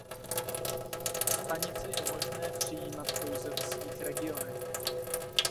Stanice je možné přijímat pouze ve svých regionech.